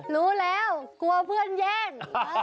รู้แล้วกลัวเพื่อนแย่ง